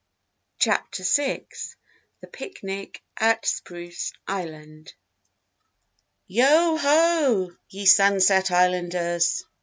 CHAPTER SIX THE PICNIC AT SPRUCE ISLAND "Yo ho, ye Sunset Islanders!"